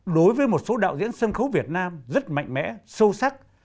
đối với một số đạo diễn sân khấu việt nam rất mạnh mẽ sâu sắc